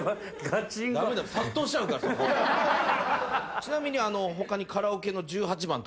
ちなみに。